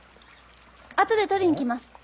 後で取りに来ます。